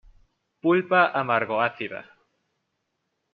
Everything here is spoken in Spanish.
Pulpa amargo-ácida.